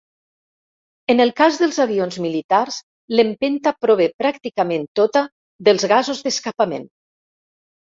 En el cas dels avions militars, l'empenta prové pràcticament tota dels gasos d'escapament.